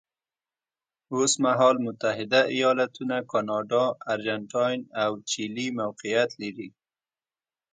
اوس مهال متحده ایالتونه، کاناډا، ارجنټاین او چیلي موقعیت لري.